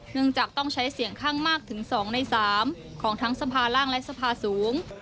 จากต้องใช้เสียงข้างมากถึง๒ใน๓ของทั้งสภาร่างและสภาสูง